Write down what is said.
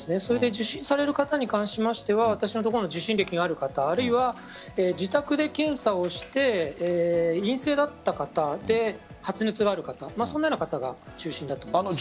受診される方に関しましては私のところの受診歴がある方あるいは自宅で検査をして陰性だった方で発熱がある方そのような方が中心だと思います。